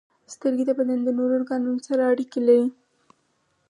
• سترګې د بدن د نورو ارګانونو سره اړیکه لري.